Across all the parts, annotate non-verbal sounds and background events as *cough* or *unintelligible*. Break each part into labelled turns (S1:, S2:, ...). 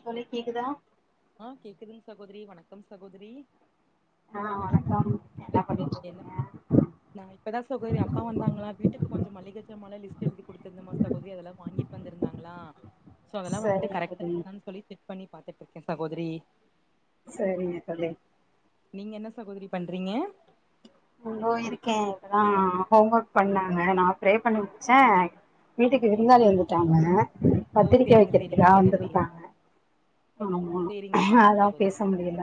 S1: தோழி கேக்குதா
S2: ஆ கேக்குதுங்க சகோதரி, வணக்கம் சகோதரி
S1: ஆ, வணக்கம் என்னா பண்ணிட்
S2: நா இப்பதா சுகோதரி அப்பா வந்தாங்களா வீட்டுக்கு கொஞ்சோ மல்லிகஜமாலா லிஸ்ட் எழுதி குடுத்துருந்தமா சகோதரி அதெல்லா வாங்கிட்டு வந்திருந்தாங்களா சோ அதெல்லா வந்துட்டு
S1: சரிங்க
S2: கரெக்டா
S1: தோழி
S2: இருக்கான்னு சொல்லி செக் பண்ணி பாத்துட்டு இருக்கே சகோதரி
S1: சரிங்க தோழி
S2: நீங்க என்ன சகோதரி பண்றீங்க?
S1: இதோ இருக்கே, இப்பதா ஹோம் ஒர்க் பண்ணாங்க நா ப்ரே பண்ணி முடிச்ச
S2: சரி,
S1: வீட்டுக்கு விருந்தாளி
S2: சரி.
S1: வந்துட்டாங்க
S2: ஓ
S1: பத்திரிக்க
S2: சேரிங்க சேரிங்க
S1: வைக்கிறதுக்காவ
S2: சகோதரி
S1: வந்துருந்தாங்க ஆமா,
S2: சேரிங்க சேரிங்க
S1: அதா பேச
S2: சகோதரி
S1: முடியல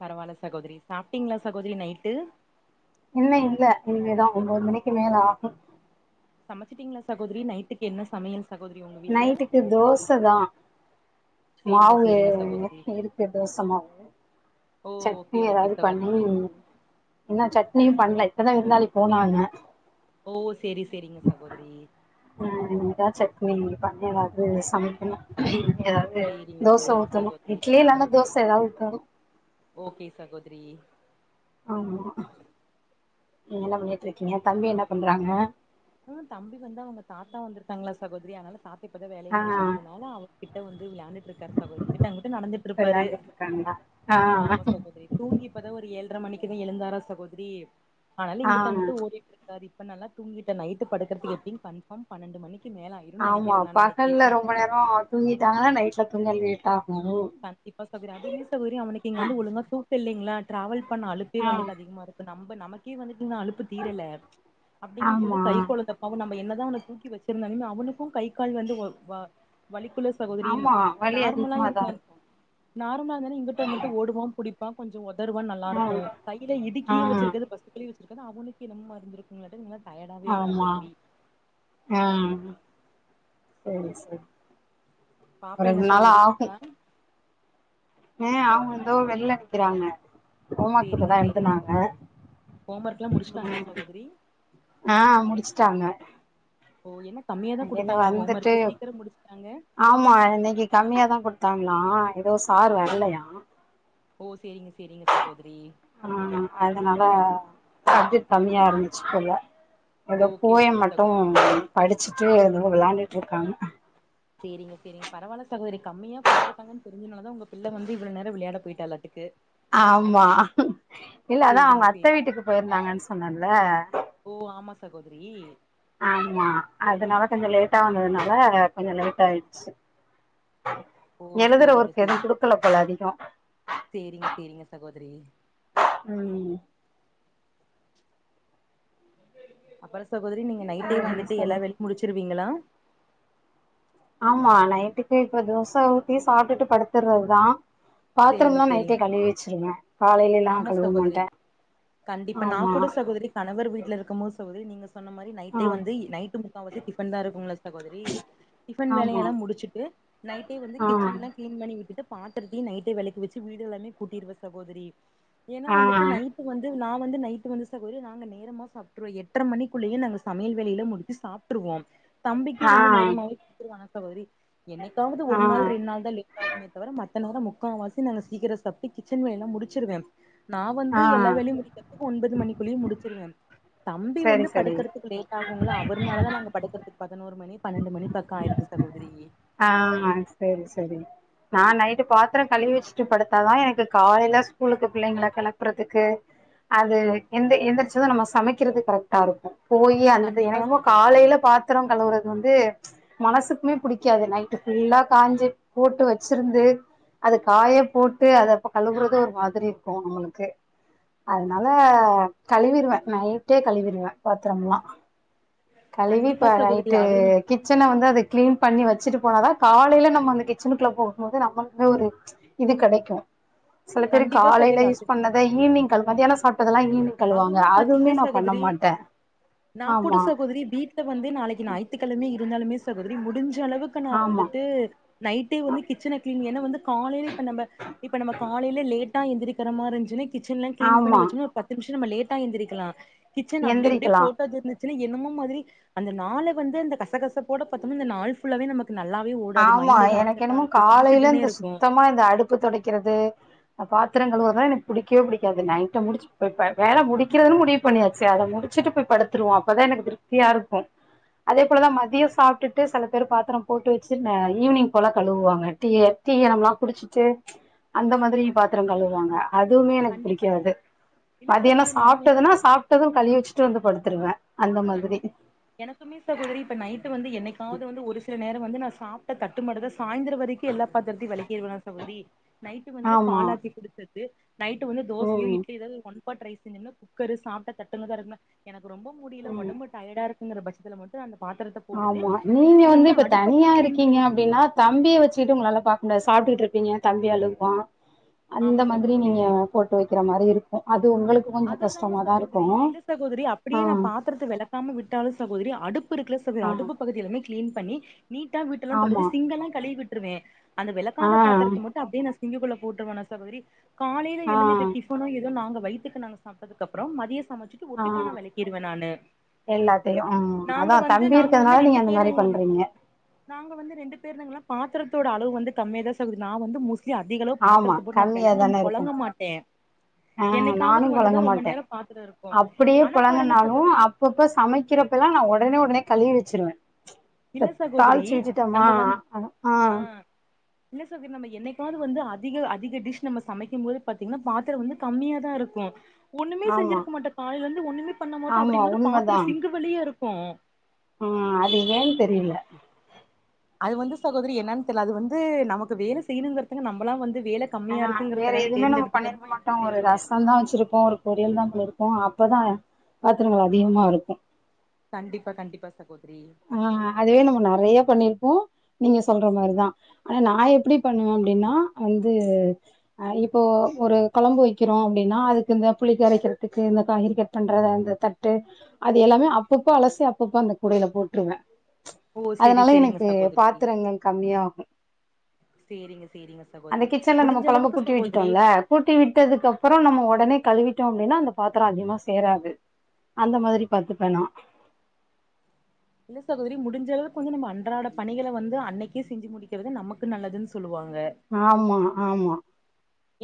S2: பரவால்ல சகோதரி, சாப்ட்டீங்களா சகோதரி நைட்டு
S1: இல்ல இல்ல இனிமேதா ஒம்போது மணிக்கு மேல ஆகு
S2: சமைச்சிட்டீங்களா சகோதரி நைட்டுக்கு என்ன சமையல் சகோதரி உங்க வீட்ல
S1: நைட்டுக்கு தோசதா
S2: சேரிங்க
S1: மாவு
S2: சேரிங்க சகோதரி
S1: இருக்கு தோச மாவு
S2: ஓ ஓகே
S1: சட்னி
S2: ஓகே
S1: ஏதாவது பண்ணி
S2: சகோதரி
S1: இன்னு சட்னியு பண்ல இப்பதா விருந்தாளி போனாங்க
S2: ஓ சேரி சேரிங்க சகோதரி
S1: ம் இனிதா சட்னி பண்ணி எதாவது சமைக் னு எதாவது
S2: சேரிங்க
S1: தோச
S2: சேரிங்க
S1: ஊத்தணு
S2: சகோதரி
S1: இட்லி இல்லனா தோச எதா ஊத்தணு
S2: ஓகே சகோதரி
S1: ஆமா நீங்க என்ன பண்ணிட்ருக்கீங்க தம்பி என்ன பண்றாங்க
S2: அ தம்பி வந்து அவுங்க தாத்தா வந்திருக்காங்ளா சகோதரி அதனால தாத்த இப்பதா வேலைய
S1: ஆ
S2: முடிச்ட்டு வந்துனாலா அவ கிட்ட வந்து விளையாண்டுட்டு இருக்காரு சகோதரி இங்குட்டு அங்குட்டு நடந்துட்ருப்பாரு
S1: விளாண்டுட்டு இருக்காங்களா ஆ
S2: ஆமா சகோதரி தூங்கி இப்பதா ஒரு ஏழ்ர மணிக்குதா எழுந்தாரா சகோதிரி அதனால
S1: ஆ
S2: இங்கிட்டு அங்குட்டு ஓடிட்ருக் காரு இப்ப நல்லா தூங்கிட்ட நைட்டு படுக்றதுக்கு எப்டிங் கன்ஃபாம் பன்னெண்டு மணிக்கு மேல ஆய்
S1: ஆமா பகல்ல ரொம்ப நேரோ தூங்கிட்டாங்கனா நைட்ல தூங்க லேட் ஆகு
S2: கண்டிப்பா சகோதரி அதுவுமே சகோதரி அவனுக்கு இங்க வந்து ஒழுங்கா தூக்க இல்லைங்ளா ட்ராவல் பண்ண அலுப்பே
S1: ஆ
S2: வந்துட்டு அதிகமாருக் நம்ப நமக்கே வந்துட் இன்னு அழுப்புத் தீரல அப்டிங்கம்போது
S1: ஆமா
S2: கை கொழந்தப் அவ நம்ப என்னதா அவன தூக்கி வச்சிருந்தாலுமே அவனுக்கு கை கால் வந்து ஒ வ வலிக்குள்ள சகோதரின்
S1: ஆமா வலி
S2: நார்மலா
S1: அதிகமாதா
S2: இருந்தன்
S1: இருக்கு
S2: நார்மலா இருந்தனா இங்குட்டு அங்குட்டு ஓடுவா புடிப் பா கொஞ்சோ ஒதருவான்
S1: ஆ
S2: நல்லாருக்கு கையிலே
S1: ஆ
S2: இடுக்கியே வச்சுருக்கது பஸ்ட்டு கலி வச்சிருக்கது அவனுக்கு என்னமோ மாரி இந்திருக் குங்ளாட்டேங்து இன்னு டயர்டாவவே இருக்காந்
S1: ஆமா
S2: தம்பி
S1: ஆ சேரி சேரி
S2: பாப்பா
S1: ஒரு
S2: என்ன
S1: ரெண்டு நாள்
S2: சகோதரி
S1: ஆகு
S2: பண்றா
S1: அ ஆமா தோ வெள்ள நிக்கறாங்க ஹோம் ஒர்க்கு
S2: சேரிங்க
S1: இப்பதா
S2: சேரிங்க
S1: எழுதுனாங்க
S2: சகோதரி ஹோம் ஒர்க்லா முடிச்சுட்டாங்களா சகோதரி
S1: ஆ முடிச்ட்டாங்க
S2: ஓ என்ன கம்மியாதா குடுத்தாங்ளா ஹோம் ஒர்க்கு சீக்கரோ முடிச்ட்டாங்க
S1: ஆமா இன்னைக்கி கம்மியாதா குடுத்தாங்ளா எதோ சார் வர்லையா
S2: ஓ சேரிங்க சேரிங்க சகோதரி
S1: ஆ அதனால சப்ஜெக்ட் கம்மியா இருந்துச்சு போல எதோப்
S2: ஓகே
S1: போயம்
S2: ஓகே
S1: மட்டு
S2: சகோதரி
S1: படிச்சுட்டு எதோ விளாண்டுட்ருக்காங்க
S2: சேரிங்க சேரிங்க பரவால சகோதரி கம்மியா குடுத்துருக்காங்கன் தெரிஞ்சனாலதா உங்க பிள்ள வந்து இவ்ளோ நேர விளையாட போயிட்டாலாட்டுக்கு
S1: ஆம்மா இல்ல அதா
S2: சேரிங்க
S1: அவுங்க அத்த
S2: சேரி
S1: வீட்டுக்கு போயிருந்தாங்கன் சொன்னல்ல
S2: ஓ ஆமா சகோதிரி
S1: ஆமா அதனால கொஞ்சோ லேட்டா வந்ததுனால கொஞ்சோ லேட்டாயிட்ச்சு
S2: ஓ
S1: எழுதற
S2: சேரிங்க
S1: ஒர்க்கு எதுவு
S2: சேரி
S1: குடுக்கல போல அதிகோ
S2: சேரிங்க சேரிங்க சகோதரி
S1: ம்
S2: அப்பறோ சகோதரி நீங்க நைட்டே
S1: சேரிங்க
S2: வந்துட்டு
S1: சகோ
S2: எல்லா வேலையு முடிச்சுருவீங்களா
S1: ஆமா நைட்டுக்கு இப்ப தோசா ஊத்தி சாப்ட்டுட்டு படுத்துர்றதுதா
S2: சேரிங்க
S1: பாத்ரம்லா
S2: சேரிங்க
S1: நைட்டே கழுவிச்சிருவே காலைலலா
S2: ஆமா
S1: கழுவ
S2: சகோதரி
S1: மாட்டே
S2: கண்டிப்பா
S1: ஆமா
S2: நாக் கூட சகோதரி கணவர் வீட்ல இருக்கும்போது சகோதரி நீங்க சொன்ன மாரி
S1: ஆ
S2: நைட்டே வந்து நைட்டு் முக்காவாசி டிஃபன்தா இருக்குங்ளா சகோதரி டிஃபன்
S1: ஆமா
S2: வேலயெல்லா முடிச்சுட்டு நைட்டே வந்து
S1: ஆ
S2: கிச்சன்லங் கிளீன் பண்ணி விட்டுட்டு பாத்தரத்தையு நைட்டே வெளக்கி வச்சி வீடு எலாமே கூட்டிருவ சகோதரி எனா
S1: ஆ
S2: வந்துட்டு நைட்டு வந்து நா வந்து நைட்டு வந்து சகோதரி நாங்க நேரமா சாப்ட்ருவோ எட்ர மணிக்குள்ளியே நாங்க சமையல் வேலையிலா முடிச்சு சாப்ட்ருவோம் தம்பிக்கு வந்து
S1: ஆ
S2: நேரமாவே குடுத்துருவே சகோதரி என்னைக்காவது
S1: ஆ
S2: ஒரு நாள் ரெண் நாள் தா லே த்தாகுமே தவர மத்த நேர முக்கா வாசி நாங்க சீக்கிர சாப்ட்டு கிச்சன் வேல்லா முடிச்சிடுவே நா வந்து
S1: ஆ
S2: எல்லா வேலயும் முடிக்கர்துக்கு ஒன்பது மணிக்குள்ளியும் முடிச்சிருவே தம்பி வந்து
S1: சரி சரி
S2: படுக்கறதுக்கு லேட் ஆகுங்ளா அவர்னாலதா நாங்க படுக்கர் துக் பதனோரு மணி பன்னெண்டு மணி பக்கோ ஆயிர்து சகோதரி
S1: ஆ சேரி சேரி நா நைட்டு பாத்தர கழுவி வெஷ்ட்டு படுத்தாதா எனக்கு காலைல ஸ்கூலுக்கு பிள்ளைங்கள கெளப்புறதுக்கு அது எந் எந்திரிச்சது நம்ம சமைக்கிறதுக் கரெட்டா இருக்கு போயி அந்த டை
S2: கண்டிப்பா
S1: எனக்கென்னமோ
S2: சகோதரி
S1: காலையில பாத்திரோ கழுவுறது வந்து மனசுக்குமே புடிக் காது நைட்டு் ஃபுல்லா காஞ்சி போட்டு வெச்சிருந்து அது காய போட்டு அதப்ப கழுவுறது ஒரு மாதிரி இருக்கு நம்மளுக்கு அதனால கழுவிருவே நைட்டே கழுவிருவே பாத்தரம்லா கழுவி
S2: கண்டிப்பா
S1: இப்ப
S2: சகோதரி
S1: நைட்டு
S2: அதுவு
S1: கிச்சன வந்து அத க்ளீன் பண்ணி வச்சுட்டு போனாதா காலையில நம்ம அந்த கிச்சனுக்குள்ள போகும் போது நம்மளுக்குமே ஒரு இது கெடைக்கு சில பேரு
S2: கண்டிப்பா
S1: காலையில
S2: சகோதரி அது
S1: யூஸ் பண்ணத ஈவ்னிங் கழு மத்தியானோ சாப்டதெல்லா ஈவ்னிங்
S2: அதுமே பாத்தீங்ன்னா சகோதரி நா கூட
S1: ஆமா
S2: சகோதரி வீட்ட வந்து நாளைக்கு ஞாய்த்து கெழம இருந்தாலுமே சகோதரி முடிஞ்ச அளவுக்கு நா
S1: ஆமா
S2: வந்துட்டு நைட்டே வந்து கிச்சன க்ளீன் ஏன்னா வந்து காலைலே இப்ப நம்ப இப்ப நம்ப காலையில லேட்டா எந்திரிக்கிறமாரிந்ச்சுன கிச்சன்லா க்ளீன் பண்ணி
S1: ஆமா
S2: வச்சனா ஒர் பத்து நிம்ஷ நம்ம லேட்டா எந்திருக்கலா கிச்சன் அப்டி இப்டி
S1: எந்திரிக்கலா
S2: போட்டு அது இர்ந்து ச்சில என்னமோ மாதிரி அந்த நாளே வந்து அந்த கசகசப்போட பத்தொம்னா அந்த நாள் ஃபுல்லாவே நம்ம நல்லாவே ஒ
S1: ஆமா எனக்கு என்னமோ காலையில இந்த
S2: இருக்கு
S1: சுத்தமா இந்த அடுப்பு தொடைக்கிறது அ பாத்தரங் கழுவல்தா எனக் புடிக்கவே புடிக்காது நைட்டு முடிச்சுட் *unintelligible* வேல முடிக்கிறதுனு முடிவ் பண்ணியாச்சு அத முடிச்சுட்டு போய் படுத்திருவோ அப்பதா எனக்கு திருப்த்தியா இருக்கு அதே போலதா மதியோ சாப்ட்டுட்டு செல பேரு பாத்தரம் போட்டு வெ ச்சி ந ஈவ்னிங் போல கழுவுவாங்க டீயி டீ யாணம்லா குடிச்சிட்டு அந்த மாதிரி பாத்தரம் கழுவாங்க அதுவுமே எனக்கு
S2: கண்டிப்பா
S1: புடிக்காது
S2: இல்ல
S1: மதியானோ
S2: சகோதரி நா வந்து
S1: சாப்டதுனா சாப் ட்டது கழுவி வெச்சிட்டு வந்து படுத்துருவ
S2: கண்டிப் எனக்குமே சகோதரி இப்ப நைட்டு வந்து என்னைக்காவது வந்து ஒரு சில நேர வந்து நா சாப் ட்ட தட்டு மட்டுதா சாய்ந்தர வரைக்கு எல்லா பாத்திரத்தையு வெளக்கிடுவனா சகோதரி நைட்டு வந்து
S1: ஆமா
S2: பாலாத்தி குடுத்துட்டு நைட்டு வந்து தோசயோ
S1: ம்
S2: இட்லி எதாது ஒன் பாட் ரைஸிங்கின்னு குக்கரு சாப்ட தட்டுங்கதா இருக்கும்ல எனக்கு ரொம்ப முடியில
S1: ம்
S2: ஒடம்பு டயடா இருக்குங்கிற பட்சத்துல மட் டு அந்த பாத்தரத்த போட்டுட்டு
S1: ஆமா நீங்க
S2: மீதி வந்து
S1: இப்ப
S2: அடுப்பல்லா
S1: தனியா
S2: க்ளீன்
S1: இருக்கீங்க
S2: பண்ணிட்ருக்க
S1: அப்டின்னா தம்பிய வச்சுட்டு உங்களால்லா பாக் முடியாது சாப்டுகிட்ருப்பீங்க தம்பி அழுவ்வா அந்த
S2: ஆமா
S1: மாதிரி
S2: சகோதரி
S1: நீங்க போட்டு வெக்கிற மாரி இருக்கு அது உங்களுக்
S2: அது இல்லாம சகோதரி இல்ல சகோதரி அப்படியே
S1: ஆ
S2: நா பாத் தரத்த வெளக்காம விட்டாலு சகோதரி அடுப்பு இருக்குல சகோதரி
S1: ஆ
S2: அடுப்பு பகுதி எல்லாமே க்ளீன் பண்ணி நீட்டா வீட்டுல்லா தொடச்சி
S1: ஆமா
S2: சிங்கலா கழுவி விட்டுருவே அந்த
S1: ஆ
S2: வெளக்காத பாத்தரத்த மட் டு அப்டே நா சிங்குகுள்ள போட்ருவனா சகோதரி காலையில எழுந்து
S1: ஆ
S2: இது டிஃபனோ எதோ நாங்க வை த்துக்கு நாங்க சாப்டதுக்கு அப்றம் மதிய சமச்சுட்டு
S1: ஆ
S2: ஒட்டுக்கா நா வெளக்கிடுவ நானு
S1: எல்லாத்தையு அ
S2: நாங்க
S1: அதா
S2: வந்து
S1: தம்பி
S2: நாங்க வந்து
S1: இருக்கறதுனால நீங்க
S2: ரெண்டு
S1: அந்த மாரி
S2: பேருங்க
S1: பண்றீங்க
S2: நாங்க வந்து ரெண்டு பேருதாங்ளா பாத்தரதோட அளவு வந்து கம்மியா தா சகோதரி நா வந்து மோஸ் ட்லி அதிகளவு
S1: ஆமா
S2: பாத்திரத்த போட்டு நா பெலங்க
S1: கம்மியாதான இருக்கு
S2: பொலங்க மாட்டே
S1: ஆ
S2: என்னைக்
S1: நானு
S2: காவது வந்துதா
S1: பொழங்க
S2: ரொம்ப
S1: மாட்டே
S2: நேரோ பாத்தரோ இருக்கு ஆனா பாருங்க சகோதரி
S1: ப்போ சமைக்கிறப்பல்லா நா ஒடனே உடனே கழிவி வெச்சிருவே
S2: இல்ல
S1: இப்ப
S2: சகோதரி
S1: தாள்ச்சு விட்டுட்டேமா
S2: நம்ம வந்து
S1: அ ஆ
S2: இல்ல சகோதி நம்ம என்னைக்காவது வந்து அதிக அதிக டிஷ் நம்ம சமைக்கும் போது பாத்தீங்கன்னா பாத்திரம் வந்து கம்மியா தா இருக்கு ஒண்ணுமே
S1: ஆமா
S2: செஞ்சிருக்க மாட்டோ காலையில இருந்து ஒண்ணுமே பண்ண மாட்டோ
S1: ஆமா
S2: அப்படிங்கறது பாத்திர சிங்கு வழியா இருக்கு
S1: உம் அது ஏன்னு தெரியல
S2: அது வந்து சகோதரி என்னனு தெரியல அது வந்து நமக்கு வேலை செய்யணும்ங்கறதுக்கு நம்மலா வந்து வேலை
S1: ஆனா வேற எதுவுமே நம்ம பண்ணிருக்க மாட்டோ ஒரு
S2: தெரியல
S1: ரசவ்தா வெச்சிருப்போ ஒரு பொரியல் தா பண்ணிருக்கோ அப்பதா பாத்திரங்கள் அதிகமா இருக்கு
S2: கண்டிப்பா கண்டிப்பா சகோதரி
S1: ஆ அதுவே நம்ம நறையா பண்ணிருப்போ நீங்க சொல்ற மாரிதா ஆனா நா எப்பிடி பண்ணுவே அப்படின்னா வந்து ஆ இப்போ ஒரு கொழம்பு வைக்கிறோ அப்படின்னா அதுக்கு இந்த புளிக்க கரைக்கிறதுக்கு இந்த காய்கறி க ட் பண்றத அந்த தட்டு அது எல்லாமே அப்பப்போ அலசி அப்பப்போ அந்த கூடையில போட்ருவே ம்ச்
S2: ஓ செரி
S1: அதனால
S2: செரிங்க
S1: எனக்கு
S2: சகோதரி
S1: பாத்திரங்கள் கம்மியாகு
S2: செரிங்க செரிங்க
S1: அந்த கிச்சன்ல நம்ம கொழம்ப கூட்டி வெச்சிட்டுடோல்ல கூட்டி விட்டதுக்கு அப்புறோ நம்ம ஓடனே கழுவிட்டோ அப்படின்னா அந்த பாத்திரோ அதிகமா சேராது அந்த மாதிரி பாத்துப்ப நா
S2: இல்ல சகோதரி முடிஞ்ச அளவுக்கு கொஞ்சு நம்ம அன்றாட பணிகள வந்து அன்னைக்கே செஞ்சு முடிக்கிறது நமக்கு நல்லதுன்னு சொல்லுவாங்க
S1: ஆமா ஆமா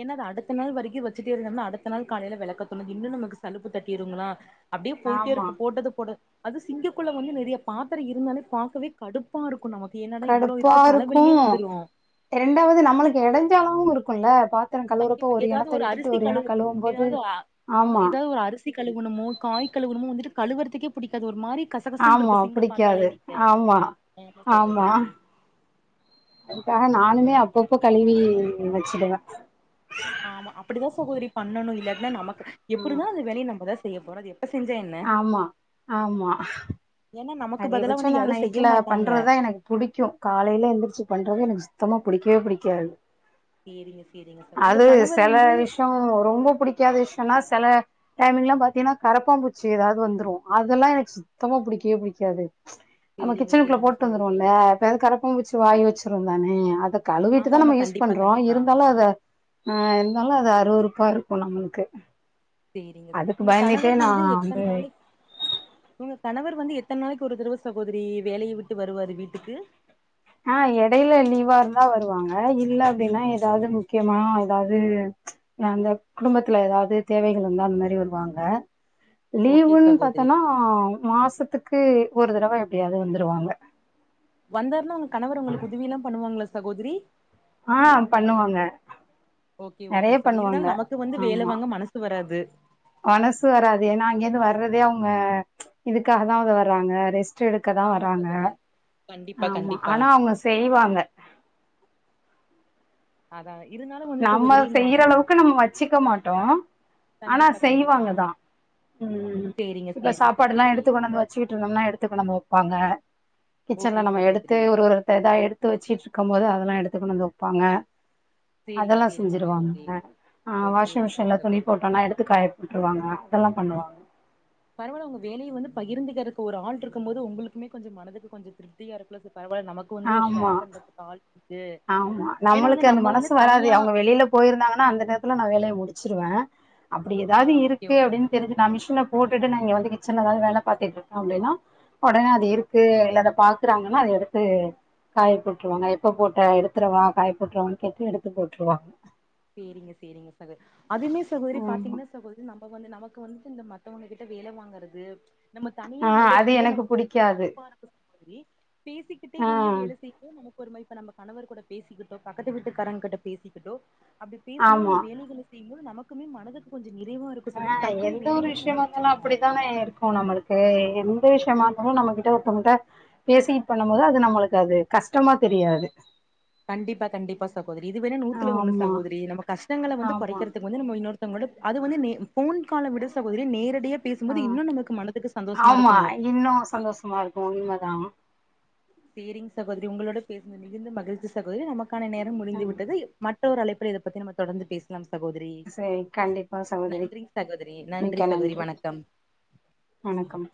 S2: ஏன்னா அது அடுத்த நாள் வரைக்கு வச்சுட்டே இருந்தம்னா அடுத்த நாள் காலையில வெளக்க தோணாது இன்னு நமக்கு சலுப்பு தட்டிருங்களா அப்படியே போயிட்டே
S1: ஆமா
S2: இருக்கு போட்டது போடு அது சிங்க்குள்ள வந்து நெறைய பாத்திரோ இருந்தாலே பாக்கவே கடுப்பா இருக்கு நமக்கு என்னடா இவ்வுளோ இருக்கு தலவலியே வந்துரு
S1: இரண்டாவது நம்மளுக்கு எடஞ்சலாவு இருக்குல்ல பா
S2: கண்டிப்ப ஏதாவது ஒரு அரிசி கழவு
S1: போது
S2: ஏதாவது ஆமா ஏதாவது ஒரு அரிசி கழுகுணமோ காய் கழுகுணமோ வந்துட்டு கழுவறத்துக்கே புடிக்காது ஒரு மாரி கசகசன்ன
S1: ஆமா
S2: இருக்கு சிங்க பாத்தாலே
S1: புடிக்காது
S2: நீங்க
S1: ஆமா
S2: ஆமா சகோதரி
S1: அதுக்காக நானுமே அப்பப்போ கழுவி வச்சுடுவே
S2: ஆமா அப்படிதா சகோதரி பண்ணணு இல்லாட்டுனா நமக்கு
S1: ம்
S2: எப்படினால அந்த வேலைய நம்மதா செய்யப்போறோ அது செஞ்சா என்ன
S1: ஆமா ஆமா
S2: ஏன்னா நமக்கு பதிலா
S1: அதிகபட்சோ
S2: வந்து
S1: நா
S2: யாரு செய்ய
S1: நைட்ல
S2: மாட்டாங்க
S1: பண்றதுதா எனக்கு புடிக்கு காலையில எந்திரிச்சு பண்றது எனக்கு சுத்தமா புடிக்கவே புடிக்காது
S2: செரிங்க செரிங்க சார் உங்க கணவர் வந்து
S1: டம் ரொம்ப புடிக்காத விஷயம்னா செல டைமிங்லா பாத்தீங்கன்னா கரப்பாம்பூச்சி ஏதாவது வந்துரு அதெல்லா எனக்கு சுத்தமா புடிக்கவே புடிக்காது காது ம்ச் நம்ம
S2: சேரிங்க
S1: கிச்சனுக்குள்ள
S2: சேரிங்க
S1: போட்டு வந்துருவோம்ல
S2: சகோதரி
S1: அப்ப அந்த கரப்பாபூச்சு வாயி வெச்சிருந்தானே அத கழுவிட்டுதா
S2: ஆமாமா
S1: நம்ம யூஸ்
S2: கண்டிப்பா
S1: பண்றோ
S2: கண்டிப்பா
S1: இருந்தாலு அத ஆ இருந்தாலு அது அறுவெறுப்பா இருக்கு நம்மளுக்கு
S2: செரிங்க சார்
S1: அதுக்கு
S2: உங்க
S1: பயந்துட்டே
S2: கணவர் வந்து
S1: நான்
S2: எத்தன நாளைக்கு உங்க கணவர் வந்து எத்தன நாளைக்கு ஒரு தருவ சகோதரி வேலைய விட்டு வருவாரு வீட்டுக்கு
S1: ஆ எடையில லீவா இருந்தா வருவாங்க இல்ல அப்படின்னா ஏதாவது முக்கியமா ஏதாவது ம்ச் அந்த குடும்பத்துல ஏதாவது தேவைகள் இருந்தா அந்த மாரி வருவாங்க
S2: ஓகே
S1: லீவுன்னு
S2: சகோதரி
S1: பாத்தோனா மாசத்துக்கு ஒரு தரவ எப்படியாவது வந்துருவாங்க
S2: வந்தாருன்னா உங்க கணவர் உங்களுக்கு உதவிலா பண்ணுவாங்களா சகோதரி
S1: ஆ பண்ணுவாங்க
S2: ஓக்கே ஓக்கே
S1: நிறைய
S2: சார்
S1: பண்ணுவாங்க
S2: இருந்தாலுய நமக்கு வந்து வேல
S1: ஆமா
S2: வாங்க மனசு சு வராது
S1: மனசு வராது ஏன்னா அங்கேந்து வர்றதே அவங்க ம்ச் இதுக்காக தா அத வர்றாங்க ரெஸ்ட ரெஸ்ட் எடுக்கதா
S2: ஆமா
S1: வராங்க
S2: சகோதரி கண்டிப்பா
S1: ஆமா
S2: கண்டிப்பா
S1: அனா அவங்க செய்வாங்க.
S2: அதா இருந்தாலு வந்து
S1: நம்ம
S2: சகோதரி நா
S1: செய்யறளவுக்கு நம்ம வச்சிக்க மாட்டோ. அனா
S2: கண்டிப்பா கண்டிப்பா
S1: செய்வாங்க தா ம் ம்
S2: சேரிங்க
S1: இப்ப
S2: சேரிங்க
S1: சாப்பாடுலா
S2: சகோதரி
S1: எடுத்து கொன்னாந்து வச்சீட்ருந்தம்ன்னா எடத்துக்கு நம்ம ஒப்பாங்க.
S2: ஓகே
S1: கிச்சன்ல நம்ம எடுத்து
S2: சகோதரி
S1: ஒரு ஒருத்த தா எடுத்து வெச்சீட்ருக்கும் போது அதெல்லா எடுத்து கொண்டு வந்து வெப்பாங்க
S2: சேரிங்க
S1: அதெல்லா
S2: சேரிங்க சகோதரி
S1: செஞ்சுருவாங்க அ
S2: ஓகே
S1: வாஷிங்
S2: ஓகே
S1: மிஷின்ல துணி
S2: சகோதரி
S1: போட்டோன்னா எடுத்து காய விட்ருவாங்க அதெல்லா பண்ணுவாங்க
S2: பரவால்ல உங்க வேலயு வந்து பகிர்ந்துகறக்கு ஒரு ஆள்ருக்கும் போது உங்களுக்குமே கொஞ்சோ மனதுக்கு கொஞ்சோ திருப் த்தியா இருக்குள்ள சர் பரவால்ல நமக்கு வந்து ஒரு
S1: ஆமா
S2: ஷேர் பண்றத்துக்கு ஆல்
S1: ஆமா நம்மளுக்கு அந்த மனசு வராது
S2: தனியா
S1: அவங்க வெளிலப் போயிருந்தாங்கன்னா அந்த நேரத்துல நா வேலைய முடிச்சிருவ அப்படி
S2: ஆ
S1: எதாவது
S2: ஓகே
S1: இருக்கு
S2: ஓகே ச
S1: அப்டின்னு தெரிஞ்சு நா மிஷின்ல போட்டுட்டு நா இங்க வந்து கிச்சன்ல எதாது வேல பாத்துட்ருப்ப அப்டின்னா ஒடனே அது இருக்கு இல்ல அத பாக்குறாங்கன்னா அத எடுத்து காயப்போட்ருவாங்க எப்ப போட் டா எடுத்துறவா காய போட்றவான்னு கேட்டு எடுத்து போட்டுருவாங்க
S2: சேரிங்க சேரிங்க *inaudible* அதுவுமே சகோதரி
S1: ஆமா
S2: பாத்திங்கன்னா *inaudible* போது நம்ப வந்து நமக்கு வந்துட்டு இந்த மத்தவங்க கிட்ட வேல வாங்கறது நம்ம தனியா
S1: ஆ
S2: வேல
S1: அது
S2: செய்யும்போது
S1: எனக்கு
S2: நமக்கு ஒரு மாரி
S1: புடிக்காது
S2: கடுப்பா *inaudible* மாரி பேசிக்கிட்டே
S1: ஆ
S2: வந்து வேல செய் *inaudible* நமக்கு ஒரு மாரி இப்ப நம்ப கணவர் கூட பேசிக்கிட்டோ பக்கத்து வீட்டுக்காரங் கிட்ட பேசிக்கிட்டோ அப்படி பேசும்போது நம்ம
S1: ஆமா
S2: வேலைகள செய்யும் போது நமக்குமே மனதுக்கு கொஞ்சோ நிறைவா இருக்
S1: ஆ எந்த ஒரு விஷயமா இருந்தாலு அப்படித்தானே இருக் இப்போ நம்மளுக்கே எந்த விஷயமா இருந்தாலு நம்ம கிட்ட ஒருத்தங்கிட்ட பேசீட் பண்ணும் போது அது நம்மளுக்கு அது கஷ்டமா தெரியாது
S2: கண்டிப்பா கண்டிப்பா சகோதரி இது வேண்ணா நூத்துல ஒண்ணு
S1: ஆமா
S2: சகோதரி நம்ப கஷ்டங்கள வந்து
S1: ஆமா
S2: கொறைக்கறது வந்து நம்ம இன்னொருத்தங்களோட அது வந்து நே போன் கால விடு சகோதரி நேரடிய பேசும்போது இன்னு நமக்கு மனதுக்கு சந்தோஷமா இருக்கணு
S1: இன்னு சந்தோஷமா இரு உண்ம தா
S2: சேரிங் சகோதரி உங்களோட *inaudible* மிகுந்த மகிழ்ச்சி சகோதரி நமக்கான நேரம் முடிந்து
S1: ம்
S2: விட்டது மற்றொரு அழைப்புல இத பத்தி நம்ம தொடர்ந்து பேசலாம் சகோத ரி
S1: சரி கண்டிப்பா சகோதரி
S2: நன்றிங் சகோதரி நன்றி சகோதரி வணக்கம்
S1: வணக்கம்